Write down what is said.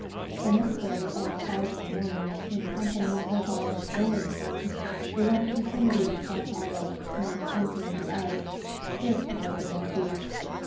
The next day at 5 in the morning, in company with our whaling friend, we left the vicinity of Cross island and, entering the ice, stood toward the northeast.